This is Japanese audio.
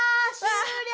終了！